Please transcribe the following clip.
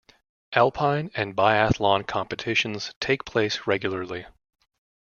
Alpine and biathlon competitions take place regularly.